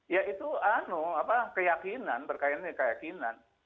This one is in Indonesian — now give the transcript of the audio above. ya itu anu apa keyakinan berkaitannya keyakinan